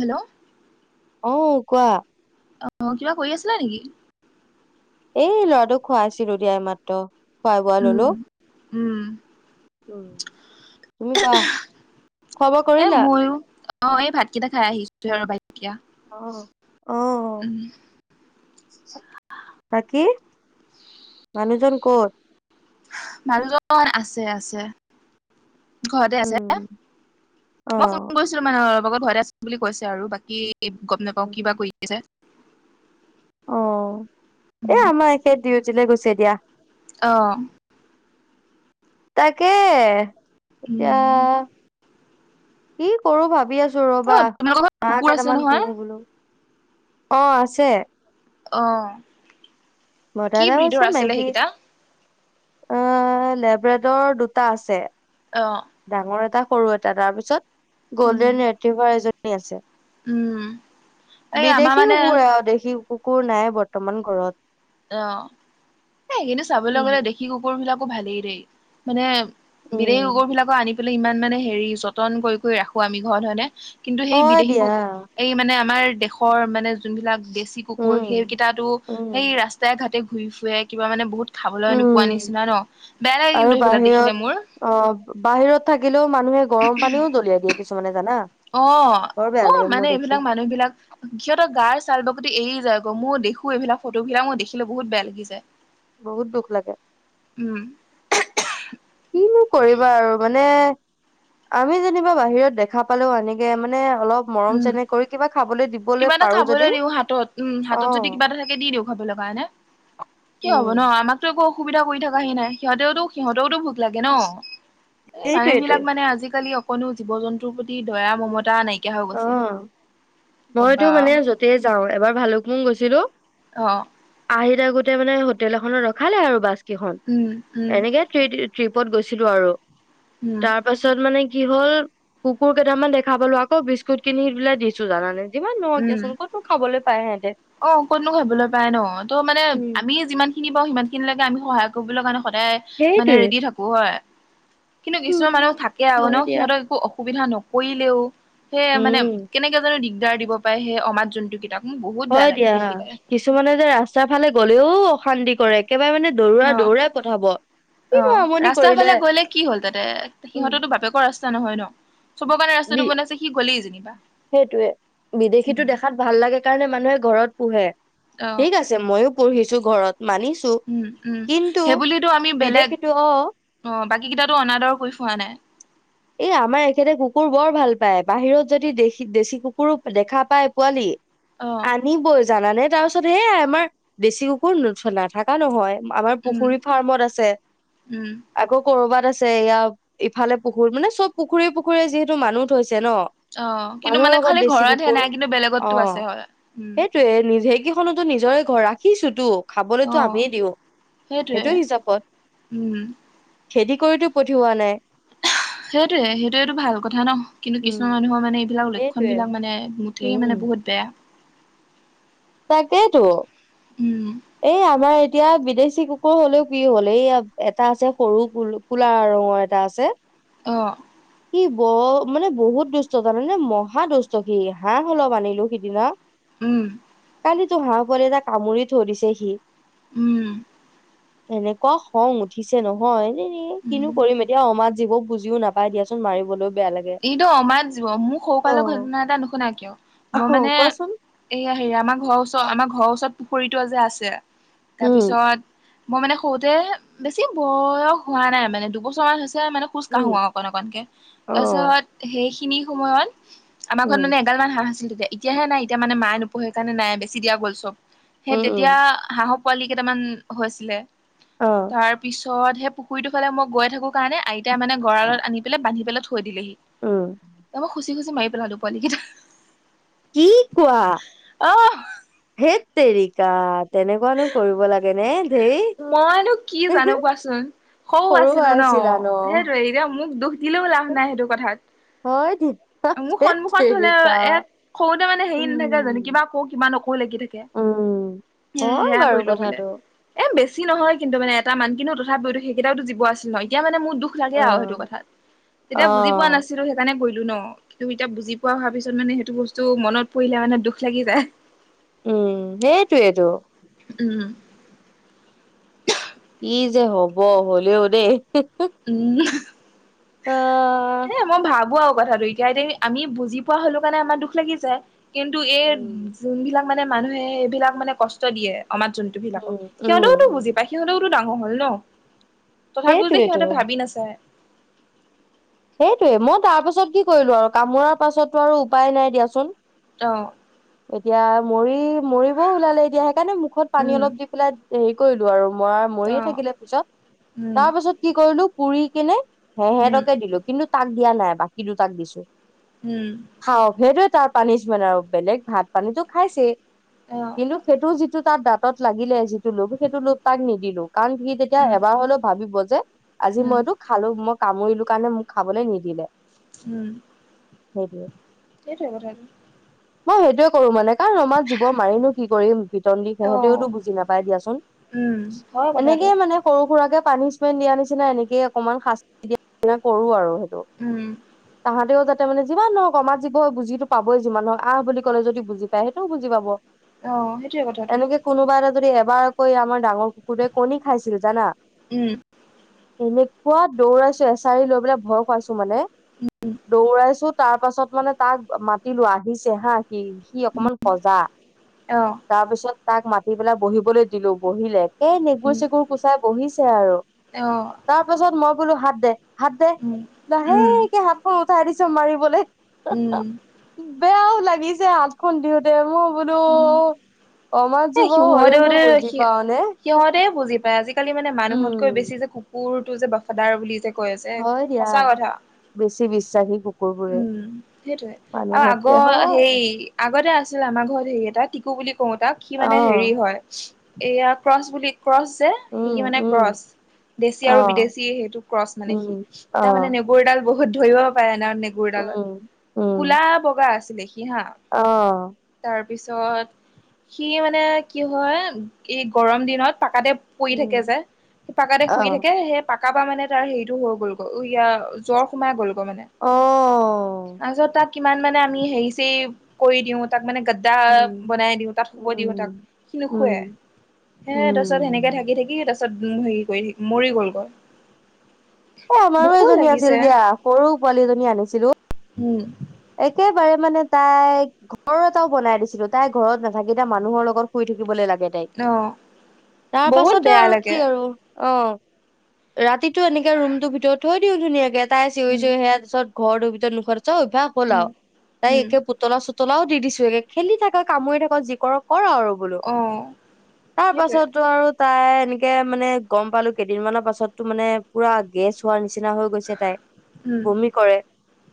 Hello. অ', কোৱা। অ', কিবা কৰি আছিলা নেকি? এই ল'ৰাটোক খুৱাইছিলো দিয়া এইমাত্ৰ, খোৱাই বোৱাই উম ল'লো। উম উম, কোৱা খোৱা বোৱা এ কৰিলা? ময়ো, অ', এই ভাতকেইটা খাই আহিছোঁ। আৰু অ', [unintelligible] অ', উম।। বাকী, মানুহজন ক'ত? মানুহজন, আছে, আছে। ঘৰতে আছে, উম, মই অ', ফোন কৰিছিলোঁ মানে অল লগত ঘৰাই আছে বুলি কৈছে আৰু বাকী গম নাপাওঁ কিবা কৰি আছে অ', এ উম, আমাৰ একে ডিউটিলৈ গৈছে দিয়া। অ'। তাকে, এতিয়া উম কি কৰোঁ ভাবি আছোঁ। ছো অ ৰ'বা, তোমালোকৰ ঘৰত হাঁহ কুকুৰ আছে কেইটামান নহয়? পোহো বোলোঁ, অ', আছে। অ'। মতা কি এটাও ব্ৰীডৰ আছে, আছিলে মাইকী সেইকেইটা? অ', লেব্ৰডৰ দুটা আছে, অ ডাঙৰ এটা সৰু এটা, তাৰপিছত উম গ'ল্ডেন ৰেটিভাৰ এজনী আছে। উম। এই আমাৰ বিদেশী মানে কুকুৰ আৰু, দেশী কুকুৰ নাই বৰ্তমান ঘৰত। অ', এই কিন্তু চাবলৈ উম। গ'লে দেশী কুকুৰবিলাকো ভালেই দেই, মানে উম, বিদেশী কুকুৰবিলাক আনি পেলাই ইমান মানে হেৰি যতন কৰি কৰি ৰাখোঁ আমি ঘৰত, হয়নে? কিন্তু সেই হয় বিদেশী, দিয়া। এই মানে আমাৰ দেশৰ মানে যোনবিলাক দেশী কুকুৰ, উম, সেই কেইটো উম, সেই ৰা ঘাতে ঘূই ফুৰে, কিবা মানে বহুত খাবলৈ নোপোৱা উম। নিচিনা ন, বেয়া লাগে আৰু কিন্তু সেইবিলাক বাহিৰত দেখিলে মোৰ। অ', বাহিৰত থাকিলেও, মানুহে গৰম পানীও দলিয়াই দিয়ে কিছুমানে জানা। অ', বৰ বেয়া ক'ৰ লাগে মোৰ মানে দেখি এইবিলাক, মানুহবিলাক, সিহঁতৰ গাৰ চাল বা এই যায়গ মই দেখোঁ, এইবিলাক, ফটোবিলাক, মই দেখিলে বহুত বেয়া লাগি যায়। বহুত দুখ লাগে। উম কি কৰিবা আৰু, মানে, আমি যেনিবা বাহিৰত দেখা পালো আনেকে মানে অলপ মৰম উম চেনেহ কৰি, কিবা খাবলৈ দিবলৈ কিবা এটা পাৰোঁ খাবলৈ যদি, দিওঁ হাতত উম হাতত যদি অ'। কিবা এটা থাকে দি দিওঁ কি উম। হ'ব ন আমাকতো একো অসুবিধা কৰি থাকাহি নাই সিহতেওো সিহঁতেওো লাগে ন এই মানুহ সেইটোৱেটো বিলাক মানে আজিকালি। অকনো জীৱ জন্তুৰ প্ৰতি দয়া মমতা নাইকিয়া হৈ গৈছে অ' মইতো কবা মানে যতে যাওঁ এবাৰ ভালুকপুং গৈছিলো। অ' আহি থকাতে মানে হোটেল এখনত ৰখালে আৰু বাছ কেইখন উম উম এনেকেই ট্ৰিপত গৈছিলো আৰু উম তাৰ পাছত মানে কি হ'ল কুকুৰ কেইটামান দেখা পালো। আকৌ বিস্কুট কিনি পেলায় দিছো জানে যিমান নহয় উম দিয়াচোন কতোনো খাবলৈ পাই সিহঁতে। অ' ক'তনো খাবলৈ পাই ন ত' মানে উম, আমি যিমান খিনি পাওঁ সিমান খিনি লৈকে আমি সহায় কৰিব কাৰণে। সদায় মানে সেইটোৱে। ৰেডি থাকো হয়। কিন্তু কিছুমান উম, মানুহ থাকে আৰু ন হয় দিয়া। সিহঁতক একো অসুবিধা নকৰিলেও। সেয়ে মানে উম, কেনেকে জানো দিগদাৰ দিব পায় সেই অমাত জন্তু কেইটাক মোক বহুত বেয়া। লাগে এতিয়া দেখিলে কিছুমানে যে ৰাস্তাৰ ফালে গ'লেও অশান্তি কৰে। একেবাৰে মানে দৌৰা অ দৌৰাই পঠাব। কিনো অ' আমনি ৰাস্তাৰ কৰিলে ফালে গ'লে কি হ'ল তাতে উম, সিহঁততো বাপেকৰ ৰাস্তা ৰাস্তা নহয় ন চ'ব কাৰণে ৰাস্তাটো বনাইছে সি গলেই যেনিবা। সেইটোয়ে বিদেশী টো উম দেখাত ভাল লাগে কাৰণে মানুহে ঘৰত পোহে। অ ঠিক আছে ময়ো পোহিছো ঘৰত। মানিছো উম উম কিন্তু সেইবুলিতো বিদেশো অ' কেইটো অনাদৰ কৰি ফোৱা নাই। এই আমাৰ এখেতে কুকুৰ বৰ ভাল পায়, বাহিৰত যদি দেশী দেশী কুকুৰো দেখা পায় পোৱালি। অ আনিবই জানানে তাৰপিছত হে আমাৰ দেছি কুকুৰ নাথকা নহয়। আমাৰ উম পুখুৰী ফাৰ্মত আছে, উম আকৌ ক'ৰবাত আছে। এয়া ইফালে কুকুৰ মানে চ'ব পুখুৰী পুখুৰীয়ে যিহেতু মানুহ থৈছে ন। অ কিন্তু মানুহৰ মানে লগত খালি বেছি ঘৰতহে কুকুৰ। নাই কিন্তু বেলেগতো আছে অ' হয় উম সেইটোৱে নিজে কি খনোতো নিজৰে ঘৰ ৰাখিছো তো। অ খাবলৈতো আমিয়ে দিওঁ। সেইটোৱে সেইটো হিচাপত। উম খেদি কৰি টো পঠিওৱা নাই। [unintelligible] সেইটোৱে, সেইটোৱেটো ভাল কথা ন, কিন্তু উম, কিছুমান মানুহৰ মানে এইবিলাক লক্ষণ সেইটোৱে বিলাক মানে মুঠেই মানে বহুত বেয়া। তাকেই তো উম এই আমাৰ এতিয়া বিদেশী কুকুৰ হ'লেও কি হ'ল? এইয়া এটা আছে সৰু কলু কলা ৰঙৰ এটা আছে। অ' কি ব মানে বহুত দুষ্ট জানানে? মহা দুষ্ট সি হাঁহ অলপ মানিলো সিদিনা উম। কালি তো হাঁহ পোৱালি এটা কামুৰি থয়দিছে সি। উম। এনেকুৱা খং উঠিছে নহয়। এনে উম কিনো কৰিম এতিয়া অমাত জীৱো বুজিও নাপায় দিয়াচোন মাৰিবলৈ। এইটো অমাত জীৱ। মোৰ সৰুকালৰ ঘটনা এটা নুশুনা কিয়? মই আহ মানে কোৱাচোন এইয়া হেৰি আমাৰ ঘৰৰ ওচৰত আমাৰ ঘৰৰ ওচৰত পুখুৰীটো যে আছে, উম তাৰপিছত মই মানে সৰুতে বেছি বয়স হোৱা নাই মানে দুবছৰ মান হৈছে। তেতিয়াই মানে খোজ উম কাঢ়ো অকণ অকণ কে। অ সেইখিনি সময়ত আমাৰ ঘৰত উম মানে এগালমান হাঁহ আছিল। এ এতিয়াহে নাই। এতিয়া মানে মায়ে নোপোহে কাৰণে নাই বেছি দিয়া গ'ল চ'ব। সেই উম উম তেতিয়া হাঁহৰ পোৱালি কেইটামান হৈছিলে। অ তাৰ পিছত সেই পুখুৰীটো ফালে মই গৈ থাকো কাৰণে আইতাই মানে গঁৰালত আনি পেলাই বান্ধি পেলাই থৈ দিলেহি। উম এ মই কি কৈছে মাৰি পেলালো পোৱালি কেইটা। কি কোৱা? অহ ধেত তেৰিকা তেনেকুৱানো কৰিব লাগে নে? ধেই মইনো কি জানো কোৱাচোন? সৰু আছিলো ন সেইটোৱে এতিয়া মোক দুখ দিলেওঁ লাভ নাই সেইটো কথাত। হয় তেতিয়া মোৰ ধেত সন্মুখত থ'লেও তেৰিকা এত সৰুতে মানে হেৰি নাথাকে জানো উম কিবা কওঁ, কিবা নক ও লাগি থাকে। উম উম হয় সেয়া বাৰু কৰিলো বোলে। কথাটো এ বেছি নহয়, কিন্তু মানে এটা মান। কিন্তু তথাপিতো সেইকেইটাও টো জীৱ আছিল হয়। এতিয়া মানে মোৰ দুখ লাগে অ আৰু সেইটো কথাত। অ তেতিয়া বুজি পোৱা নাছিলো সেইকাৰণে কৰি ছো ন। কিন্তু এতিয়া বুজি পোৱা হোৱাৰ পিছত মানে সেইটো বস্তু মনত পৰিলে মানে দুখ লাগি যায়। উম সেইটোৱে টো। উম কি যে হ'ব। হ'লেও দেই। উম অ এ মই ভাবোঁ আৰু কথাটো এতিয়া, এতিয়া কি আমি বুজি পোৱা হ'লো কাৰণে আমাৰ দুখ লাগি যায়। কিন্তু এই উম যোনবিলাক মানে মানুহে এইবিলাক মানে কষ্ট দিয়ে। অমাত জন্তুবিলাকক। উম উম সিহঁতেওতো উম বুজি পায়, সিহঁতেওতো ডাঙৰ হ'ল ন। তথাপিও যে, সেইটোৱেতো সিহঁতে ভাবি নাচায়। সেইটোৱে। মই তাৰ পাছত কি কৰিলো আৰু কামোৰাৰ পাছতো আৰু উপায় নাই দিয়াচোন। অ এতিয়া মৰি মৰিবও ওলালে এতিয়া, সেইকাৰণে মুখত পানী উম অলপ দি পেলাই হেৰি কৰিলো আৰু। মৰা অ মৰিয়ে থাকিলে। পিছত উম তাৰ পিছত কি কৰিলো, পুৰি কিনে উম সেহেতকে দিলোঁ। তাক দিয়া নাই, বাকী দুটাক দিছোঁ। উম খাওঁক সেইটোৱে তাৰ পানিচমেণ্ট আৰু বেলেগ ভাত পানীতটো খাইছেই। অ' কিন্তু সেইটোও যি টো তাৰ দাঁত লাগিলে যিটো লোক সেইটো লোক তাক নিদিলো কাৰণ সি তেতিয়া উম এবাৰ হলেও ভাবিব যে আজি উম মইতো খালো মই কামুৰিলো কাৰণে মোক খাবলৈ নিদিলে উম সৰি এইেইটোোৱব মই সেইটোয়ে কৰো মানে কাৰণ ৰমাত জীিব মাৰিনো কি কৰিম বিতন দি সিহঁতেওতো অ' বুজি নাপাই দিয়াচোন উম হয় কথাটো এনেকেইে মানে সৰু সুৰাৰাকে পানিচমেন্ট দিয়া নিচিনা এনেকে অকনমান শাস্তি দিয়া নিচনা কৰো আৰু উম তাহতে তাৰমানে যিমানহওক কম জীিব হয় বুজিো পাবই যিমানওক আহ বুলি ক'লে যদি বুজি পায় সেইটোও বুজি পাব অ সেইটোৱে কথাটো এনেকে কোনোবা এটা যদি এবাৰ কৈ আমাৰ ডাঙৰ কুকুৰটোৱে কণী খাইছিল জানা উম এনেকুৱা দৌৰাইছো এছাৰি লৈ পেলাই ভয় খুৱাইছো মানে দৌৰাইছো তাৰ পাছত মানে তাক মাতি লোৱা আহি চে হা সি সি অকমান সজা অ' তাৰপিছত তাক মাতি পেলাক বহিবলৈ দিলো বহিলে এ নেগুৰ উম চেগুৰ কুচাই বহিছে আৰু অ' তাৰ পাছত মই বোলো হাত দে হাত দে উম উম লাহেকে হাতখন উঠাই দিছ মাৰিবলৈ উম বেয়াও লাগিছে হাত খুন্দিও দে মোক বো উম অম এ যিব হয়ো ন সিহঁতেওতে বুজি সি পাওঁ নে সিহঁতে বুজি আজিকালি মানে মানুহতকৈ বেছি উম যে কুকুৰটো যে বফাদাৰ বুলি যে কৈ আছে হয় দিয়া সঁচা কথা বেছি বিশ্বাসী কুকুৰবোৰে উম সেইটয়ে আৰু মানুহতকে আগৰ হয় সেই আগতে আছো আমাৰ ঘৰত হেৰি এটা টিকু বুলি কও তাক কি অ মানে হেৰি হয় এইয়া ক্ৰচ বুলি ক্ৰছ যে সেই উম কিি মানে উম ক্ৰছ দেশী অ আৰু বিদেশী সেইটো ক্ৰচ মানে উম সি অ তাৰ মানে নগৈডাল বহুত ধৰিব পাৰে ন নেগুৰডালত উম উম কলা বগা আছিলে স অ তাৰপিছত সি মানে কি হয় এই গৰম দিনত পাকাতে পৰি উম থাকে যে। শি পাকাতে অ শুই থাকে সেই পাকা পা মানে তাৰ হেৰিটো হৈগলগৈ। ইয়া জ্বৰ সোমাই গ'ল। মানে। অ তাৰপিছত তাক কিমান মানে আমি হেৰি-চেৰি, কৰি দিওঁ তাক মানে গাদ্দা উম বনাই দিওঁ, তাত শুব দিওঁ উম তাক। সি নোশুৱে। উম সেয়া, তাৰপিছত সেনেকে উম থাকি থাকি তাৰপিছত হেৰি, কৰি মৰি গল গৈ। অ', আমাৰো এজনী আছিল দিয়া। সৰু পোৱালি এজনী আনিছিলো। উম,। একেবাৰে মানে তাই ঘৰ এটাও বনাই দিছিলো। তাই ঘৰত নাথাকে তাই মানুহৰ লগত শুই থাকিবলৈ লাগে। [unintelligible] অ তাৰ বহুত পাছতে বেয়া আৰু কি লাগে আৰু। অ',। ৰাতিটো এনেকে ৰুমটোৰ ভিতৰত থৈ দিওঁ ধুনীয়াকে তাই চিঞৰি উম চিঞৰি সেয়া পিছত ঘৰটোৰ ভিতৰত নুশুৱাতো অভ্যশ হ'ল আৰু। উম তাই উম একে পুতলা-চুত তলাওঁ দি দিছো একে। খেলি থাকক, কামুৰি থাকক যি কৰক কৰ আৰু বোলো। অ তাৰ সেইটোৱে পাছতটো আৰু তাই তেনেকে মানে গম পালো কেইদিনমানৰ পাছতটো মানে পুৰা গেছ হোৱাৰ নি চিনা হৈ গৈছে তাই, উম বমি কৰে।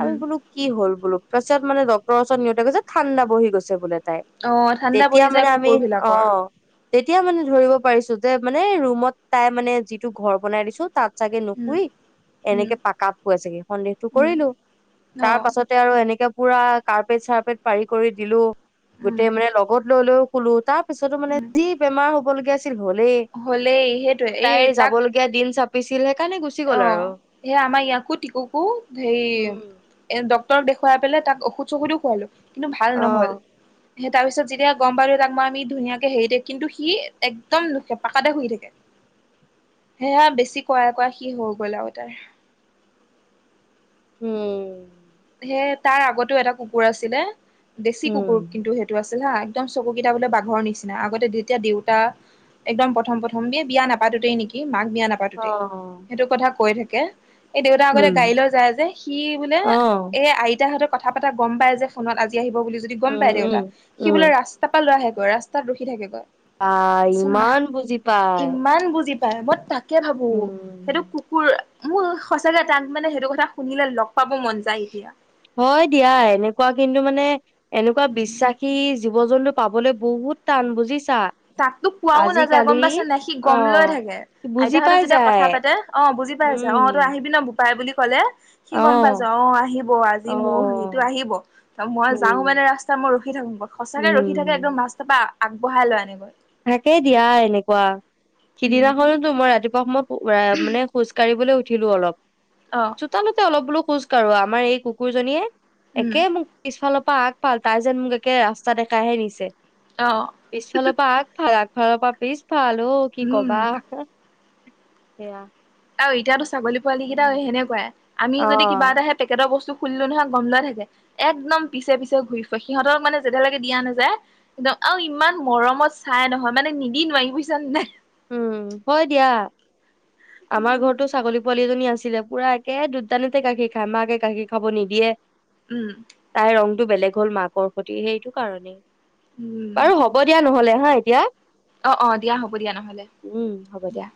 আমি উম বোলো কি হ'ল বোলো। পাছত মানে ডক্টৰ ওচৰত নিওঁতে কৈছে, ঠাণ্ডা বহি গছে বোলে তাই। অ ঠাণ্ডা তেতিয়া বহি যায় মানে আমি কুকুৰ বিলাকৰ অ',। তেতিয়া মানে ধৰিব পাৰিছো যে মানে, ৰুমত তাই মানে যিটো ঘৰ বনাই দিছো তাত চাগে উম নুশুই, উম এনেকে পাকাপ শুৱে চাগে। সন্দেহটো উম কৰিলো। অ তাৰ পাছতে আৰু এনেকে পুৰা কাৰ্পেট চাৰপেট পাৰি কৰি দিলো। উম গোটেই মানে লগত লৈ-লৈও শুলো। তাৰ পিছতো মানে উম যি বেমাৰ হ'বল- হলেই। হ'লেই সেইটোৱে এই তাইৰ তাক যাবলগীয়া দিন সব অ',। সেয়া আমাৰ ইয়াকো, টিকুকো হেৰি উম এ, ডক্তৰক দেখুৱাই পেলাই তাক ঔষধ ঔষধো খোৱালো। কিন্তু ভাল অ নহল। সেই তাৰ পিছত যেতিয়া গম পালো তাক মই আমি ধুনীয়াকে হেৰি দে, কিন্তু সি একদম নুশুৱে পাকাতে শুই থাকে। সেয়া বেছি কৰাই কৰাই সি হৈ গ'ল আৰু তাৰ। উম,। সেয়া তাৰ আগতো এটা কুকুৰ আছিলে, দেচি কুকুৰ উম কিন্তু সেইটো আছিল। হা এক্দম চকু কেইটা বোলে বাঘৰ নিচিনা, আগতে যেতিয়া দেউতা একদম প্ৰথম প্ৰথম এ বিয়া নাপা তোতেই নেকি মাক বিয়া নাপাতোতেই। অ সেইটো কথা কৈ থাকে, এই দেউতা আগতে গাড়ী উম। লৈ যায় যে, সি বোলে অ', এই আইতাহঁতে কথা পাতা গম পাই যে ফোনত আজি আহিব বুলি যদি গম পাই উম, উম, দেউতা, সি বোলে উম, ৰাস্তা পৰা লৈ আহে গৈ, ৰাস্তাত ৰখি থাকে গৈ। বা ইমান বুজি পায়। ইমান বুজি পায় মই তাকে ভাবো, সেইটো উম, কুকুৰ মোৰ সঁচাকে তাক মানে সেইটো কথা শুনিলে লগ পাব মন যায় এতিয়া। হয় দিয়া এনেকুৱা কিন্তু মানে এনেকুৱা উম বিশ্বাসী জীৱ জন্তু পাবলৈ বহুত টান বুজিচা। তকটো কোৱাও নাযায় গম পাইছা নাই সি গম লয় অ'। থাকে। বুজি আইতাহঁতে পাই যেতিয়া কথা যায়, পাতে অ', বুজি পাই উম, যায়। অ', তই আহিবি ন বোপাই বুলি ক'লে সি গম পাইছে অ', আহিব আজি মোৰ সেইটো অ'। আহিব। মই উম, যাওঁ মানে ৰাস্তা মই ৰখি থাকো। সচাকে ৰখি থাকে উম, একদম ৰাস্তাৰপা আগবঢ়াই লৈ আনে। থাকেই দিয়া এনেকুৱা। উম সিদিনাখনোতো মই ৰাতিপুৱা সময় মানে খোজ কাঢ়িবলৈ উঠিলো অলপ, অ চোতালোতে অলপ বোলো খোজ কাঢ়ো। আমাৰ এই কুকুৰজনীয়ে উম একে মোক পিছফালৰ পা আগফাল তাই যেন মোক একে ৰাস্তা দেখাই হে নিছে অ পিছফালৰ পা আগ ফাল আগফালৰ পৰা পিছ ফালৰ অ', কি উম কবা, সেয়া। আৰু এতিয়াতো ছাগলী পোৱালী কেইটাও উম। সেনেকুৱাই। আমি যদি কিবা অ' এটা হে পেকেটৰ বস্তু খুলিলো নহয় গম লয় থাকে, একদম পিছে পিছে ঘূৰি ফুৰে সিহঁতক মানে যেতিয়ালৈকে দিয়া নযায় একদম আৰু ইমান মৰমত চাই নহয় মানে নিদি নোৱাৰি বুজিছানে নাই। উম, হয় দিয়া আমাৰ ঘৰতো ছাগলী পোৱালী এজনী আছিলে, পুৰা একে দুত তানোতে গাখীৰ খায়, মাকে গাখীৰ খাব নিদিয়ে। উম। টো বেলেগ হ'ল মাকৰ সৈতে সেইটো কাৰণেই উম বাৰু হ'ব দিয়া নহ'লে হা এতিয়া। অ', অ' দিয়া হ'ব দিয়া নহলে উম হ'ব দিয়া।